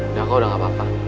nggak kok udah gapapa